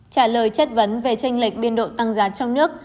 trả lời chất vấn về tranh lịch biên độ tăng giá trong nước